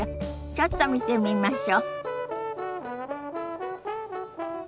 ちょっと見てみましょ。